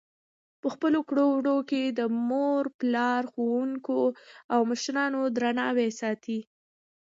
په خپلو کړو وړو کې د مور پلار، ښوونکو او مشرانو درناوی ساتي.